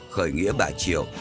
khởi nghĩa bà triệu